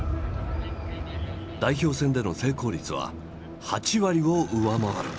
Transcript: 代表戦での成功率は８割を上回る。